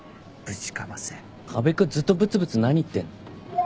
河辺君ずっとブツブツ何言ってんの？